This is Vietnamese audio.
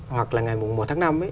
hoặc là ngày một tháng năm